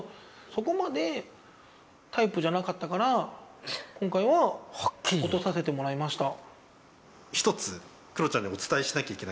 そこまでタイプじゃなかったから今回は落とさせてもらいました